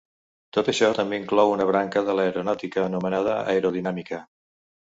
Tot això també inclou una branca de l'aeronàutica anomenada aerodinàmica.